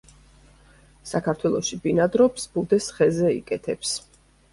საქართველოში ბინადრობს, ბუდეს ხეზე იკეთებს.